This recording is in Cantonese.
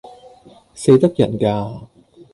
死得人架